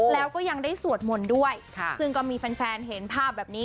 แล้วก็ยังได้สวดมนต์ด้วยซึ่งก็มีแฟนเห็นภาพแบบนี้